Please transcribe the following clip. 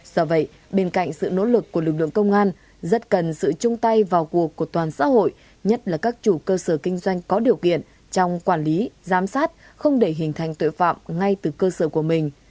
do vậy bên cạnh sự nỗ lực của lực lượng công an rất cần sự chung tay vào cuộc của toàn xã hội nhất là các chủ cơ sở kinh doanh có điều kiện trong quản lý giám sát không để hình thành tội phạm ngay từ cơ sở của mình